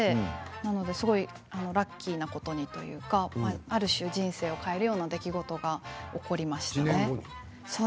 なのですごいラッキーなことにというかある種、人生を変えるような出来事が起こりましたね。